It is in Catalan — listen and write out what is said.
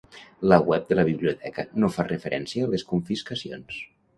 La web de la biblioteca no fa referència a les confiscacions.